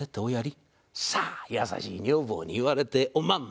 さあ優しい女房に言われておまんま。